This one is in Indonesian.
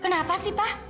kenapa sih pak